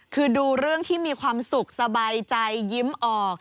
คือดูเรื่องที่มีความสุขสบายใจยิ้มออก